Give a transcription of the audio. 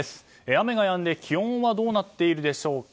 雨がやんで気温はどうなっているでしょうか。